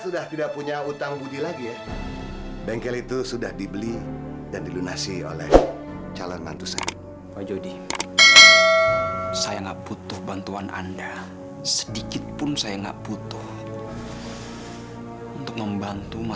dan aku ucapkan selamat buat kalian berdua